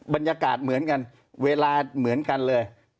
บรรยากาศเหมือนกันเวลาเหมือนกันเลย